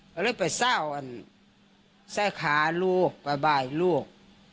ก็เลยไปเศร้ากันใส่ขาลูกบ่ายลูก